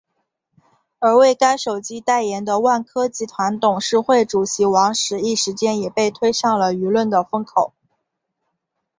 而为该手机代言的万科集团董事会主席王石一时间也被推上了舆论的风口。